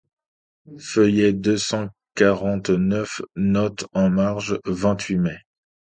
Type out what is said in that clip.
Feuillet deux cent quarante-neuf. — Note en marge : vingt-huit mai.